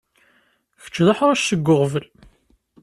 Kečč d aḥric seg uɣbel.